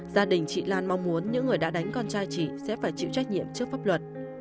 gia đình chị lan mong muốn những người đã đánh con trai chị sẽ phải chịu trách nhiệm trước pháp luật